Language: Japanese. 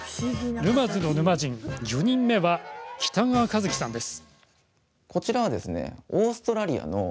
沼津のヌマ人４人目は、北川和樹さんです。